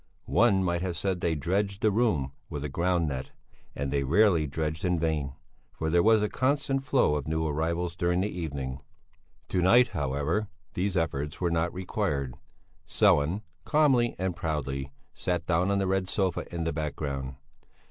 One might have said they dredged the room with a ground net, and they rarely dredged in vain, for there was a constant flow of new arrivals during the evening. To night, however, these efforts were not required; Sellén, calmly and proudly, sat down on the red sofa in the background.